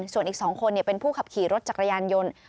ส่วนอีก๒คนเป็นผู้ขับขี่รถจักรยานยนต์